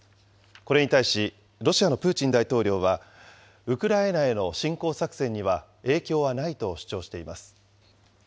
これに対し、ロシアのプーチン大統領はウクライナへの侵攻作戦には影響はないと主張しています。